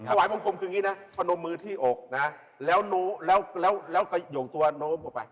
ถวายบางคมคือนี้นะป้อนงมือที่อกแล้วหย่อมตรวนมออกไป